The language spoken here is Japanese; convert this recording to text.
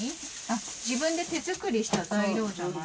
自分で手作りした材料じゃない？